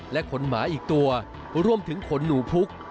ขนหมาอีกตัวรวมถึงขนหนูพุก